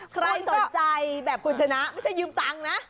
ใครสนใจแบบคุณชนะไม่ใช่ยืมตังค์นะ